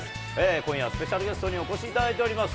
今夜はスペシャルゲストにお越しいただいております。